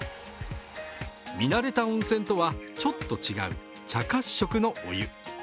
見慣れた温泉とはちょっと違う、茶褐色のお湯。